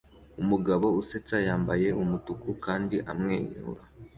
Umugabo usetsa yambaye umutuku kandi amwenyura